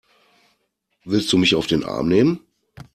Willst du mich auf den Arm nehmen?